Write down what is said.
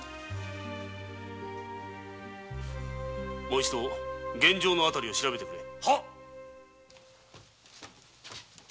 もう一度現場の辺りを調べてくれ！